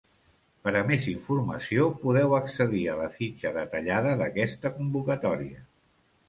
Per a més informació, podeu accedir a la fitxa detallada d'aquesta convocatòria.